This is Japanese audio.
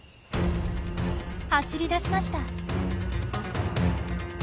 走りだしました。